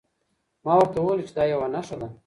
ما ورته وویل چي دا یوه نښه ده.